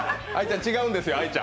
違うんです、愛ちゃん。